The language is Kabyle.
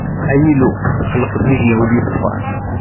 Ay Illu, xelq-d deg-i ul yeṣfan.